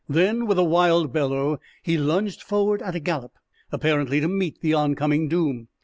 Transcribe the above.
Then, with a wild bellow, he lunged forward at a gallop, apparently to meet the oncoming doom.